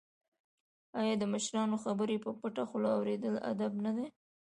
آیا د مشرانو خبرې په پټه خوله اوریدل ادب نه دی؟